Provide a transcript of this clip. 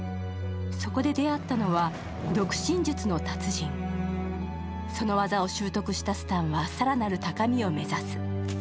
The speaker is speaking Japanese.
そこで出会ったのは、読心術の達人その技を習得したスタンは更なる高みを目指す。